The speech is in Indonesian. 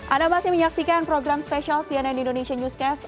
anda masih menyaksikan program spesial sianan indonesia newscast